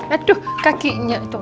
aduh kakinya itu